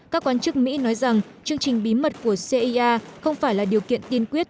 các quan chức mỹ nói rằng chương trình bí mật của cia không phải là điều kiện tiên quyết